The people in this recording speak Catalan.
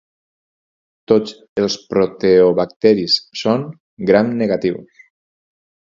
Tots els proteobacteris són gram-negatius.